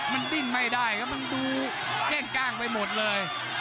มันดิ้นไม่ได้ครับมันดูเก้งกล้างไปหมดเลย